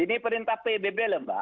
ini perintah pbb lemba